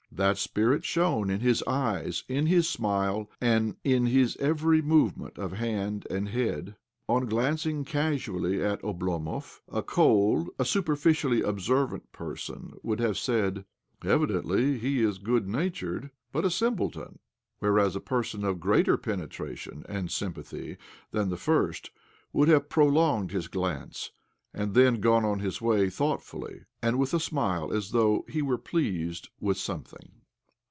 That spirit shone in his eyes, in his smile, and in .xis every movement of hand and head. On glancing casually at Oblomov a cold, a superficially observant person would have said, " Evidently he is g'ood natured, but a simpleton "; whereas a person of greater penetration and sympathy than the first would h^ve prolonged his glance, and then gone on his way thoughtfully, and with a smile as though he were pleased with some thing.